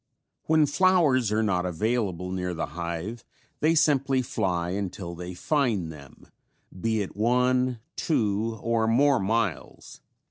When flowers are not available near the hive they simply fly until they find them, be it one, two or more miles.